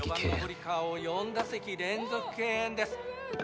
４番の堀川を４打席連続敬遠です